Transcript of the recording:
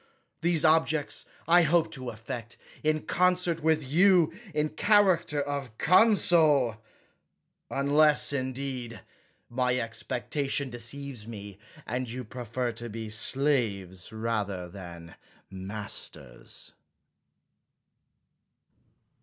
These objects I hope to effect, in concert with you, in lie character of consul — ^unless, indeed, my expectation deceives me, and you prefer to be slaves rather than masters.